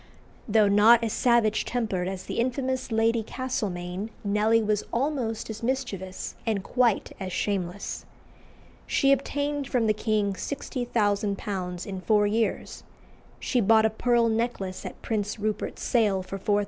Though not as savage tempered as the infamous Lady Castlemaine, Nelly was almost as mischievous, and quite as shameless. She obtained from the king £60,000 in four years. She bought a pearl necklace at Prince Rupert's sale for £4000.